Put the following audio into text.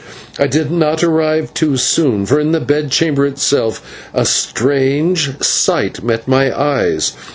I did not arrive too soon, for in the bedchamber itself a strange sight met my eyes.